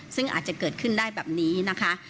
ซึ่งอาจจะเกิดขึ้นได้แบบนี้นะคะ